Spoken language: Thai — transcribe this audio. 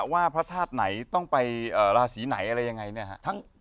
ว่าพระธาตุไหนต้องไปราศีไหนอะไรยังไงเนี่ยฮะ